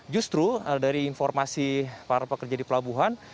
justru dari informasi para pekerja di pelabuhan